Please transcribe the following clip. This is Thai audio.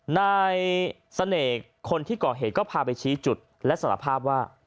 นายเสน่ห์คนที่ก่อเหตุก็พาไปชี้จุดและสารภาพว่า